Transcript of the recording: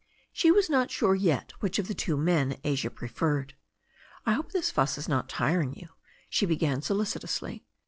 She was not sure yet which of the two men Asia preferred. 1 hope this fuss is not tiring you," she began solicitously.